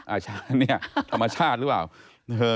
อ่านี่ธรรมชาติหรือเปล่า